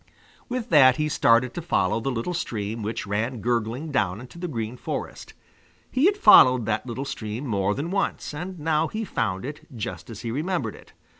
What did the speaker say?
With that he started to follow the little stream which ran gurgling down into the Green Forest. He had followed that little stream more than once, and now he found it just as he remembered it.